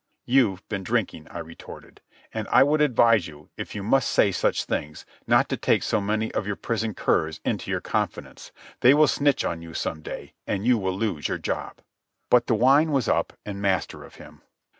"You've been drinking," I retorted. "And I would advise you, if you must say such things, not to take so many of your prison curs into your confidence. They will snitch on you some day, and you will lose your job." But the wine was up and master of him.